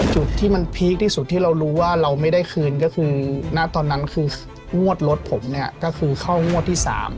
จุดที่มันพีคที่สุดที่เรารู้ว่าเราไม่ได้คืนก็คือณตอนนั้นคืองวดรถผมเนี่ยก็คือเข้างวดที่๓